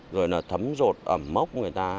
rồi là thấm rột ẩm mốc người ta